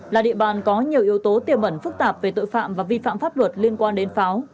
là địa bàn có nhiều yếu tố tiềm ẩn phức tạp về tội phạm và vi phạm pháp luật liên quan đến pháo